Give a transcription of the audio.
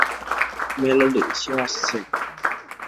Melody, সে আসছে।